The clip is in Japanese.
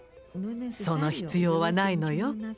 「その必要はないのよ。